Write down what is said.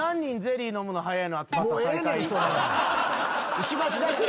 石橋だけや。